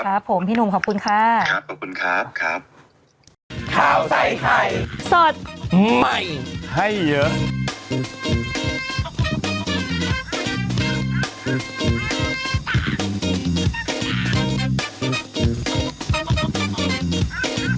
ครับผมพี่หนูขอบคุณค่ะครับขอบคุณครับครับ